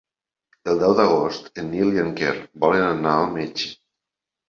El deu d'agost en Nil i en Quer volen anar al metge.